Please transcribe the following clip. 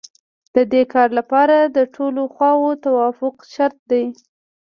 د دې کار لپاره د ټولو خواوو توافق شرط دی.